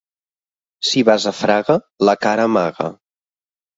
Si vas a Fraga, la cara amaga.